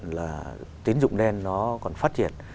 là tín dụng đen nó còn phát triển